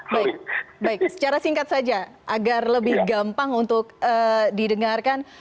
baik baik secara singkat saja agar lebih gampang untuk didengarkan